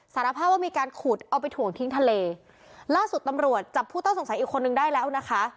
สารภาพว่ามีการขุดเอาไปถ่วงทิ้งทะเลล่าสุดตำรวจจับผู้ต้องสงสัยอีกคนนึงได้แล้วนะคะ